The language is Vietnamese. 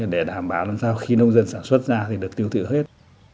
để đảm bảo làm sao khi nông dân sản xuất ra thì được tiêu tự hết